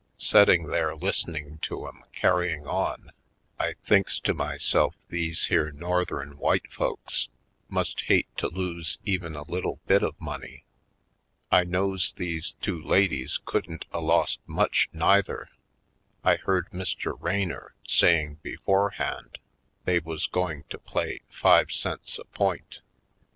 Setting there listening to 'em carrying on I thinks to myself these here Northern white folks must hate to lose even a little bit of money. I knows these two ladies couldn't a lost much neither — I heard Mr. Raynor saying beforehand they was going to play five cents a point.